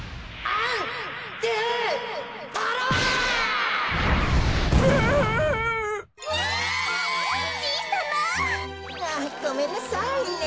あっごめんなさいね。